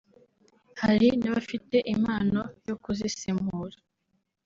hari n’abafite impano yo kuzisemura